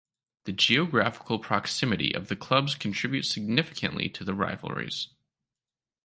The geographical proximity of the clubs contributes significantly to the rivalries.